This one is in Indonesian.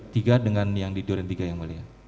tiga dengan yang di duren tiga yang mulia